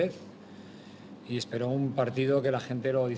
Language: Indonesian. saya berharap semifinal ini akan menarik